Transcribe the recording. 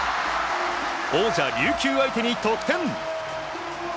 王者・琉球相手に得点。